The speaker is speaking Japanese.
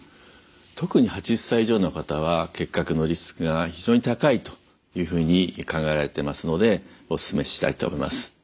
特に８０歳以上の方は結核のリスクが非常に高いというふうに考えられてますのでおすすめしたいと思います。